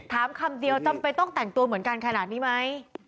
คำเดียวจำเป็นต้องแต่งตัวเหมือนกันขนาดนี้ไหม